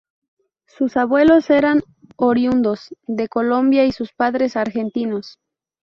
Sus abuelos eran oriundos de Colombia y sus padres argentinos.